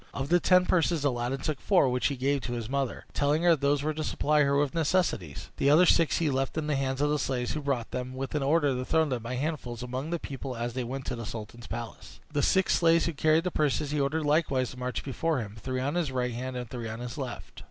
Of the ten purses Aladdin took four, which he gave to his mother, telling her those were to supply her with necessaries; the other six he left in the hands of the slaves who brought them, with an order to throw them by handfuls among the people as they went to the sultan's palace. The six slaves who carried the purses he ordered likewise to march before him, three on the right hand and three on the left.